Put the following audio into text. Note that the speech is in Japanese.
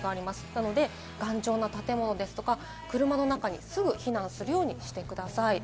なので頑丈な建物や車の中にすぐ避難するようにしてください。